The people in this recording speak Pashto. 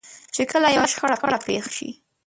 چې کله يوه شخړه پېښه شي.